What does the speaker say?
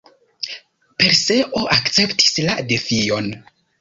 Perseo akceptis la defion.